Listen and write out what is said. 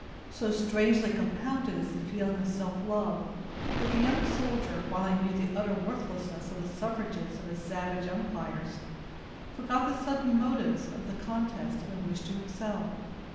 So strangely compounded is the feeling of self love, that the young soldier, while he knew the utter worthlessness of the suffrages of his savage umpires, forgot the sudden motives of the contest in a wish to excel.